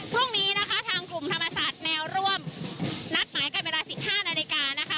พรุ่งนี้นะคะทางกลุ่มธรรมศาสตร์แนวร่วมนัดหมายกันเวลา๑๕นาฬิกานะคะ